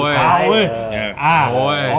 อยากลงไปไหน